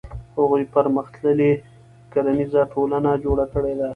هغوی پرمختللې کرنیزه ټولنه جوړه کړې ده.